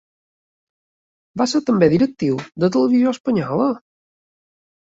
Va ser també directiu de Televisió Espanyola.